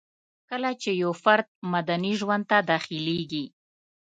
کله چي يو فرد مدني ژوند ته داخليږي